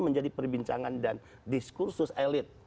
menjadi perbincangan dan diskursus elit